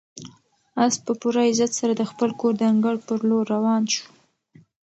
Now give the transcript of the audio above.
آس په پوره عزت سره د خپل کور د انګړ په لور روان شو.